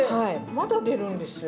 まだ出るんですよ